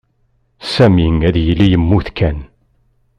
Sami ad yili yemmut kan.